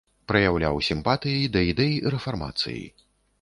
Праяўляў сімпатыі да ідэй рэфармацыі.